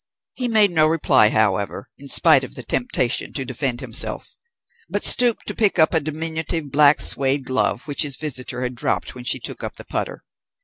He made no reply, however, in spite of the temptation to defend himself; but stooped to pick up a diminutive black suede glove which his visitor had dropped when she took up the putter.